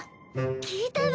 聞いたわ。